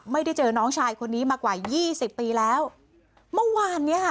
ไม่ได้เจอน้องชายคนนี้มากว่ายี่สิบปีแล้วเมื่อวานเนี้ยค่ะ